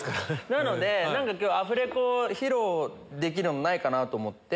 なので今日アフレコ披露できるのないかなと思って。